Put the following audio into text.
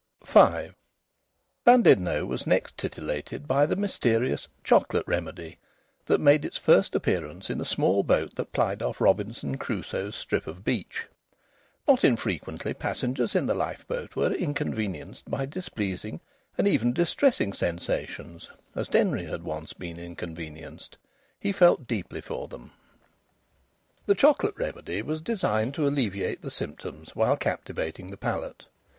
V Llandudno was next titillated by the mysterious "Chocolate Remedy," which made its first appearance in a small boat that plied off Robinson Crusoe's strip of beach. Not infrequently passengers in the lifeboat were inconvenienced by displeasing and even distressing sensations, as Denry had once been inconvenienced. He felt deeply for them. The Chocolate Remedy was designed to alleviate the symptoms while captivating the palate.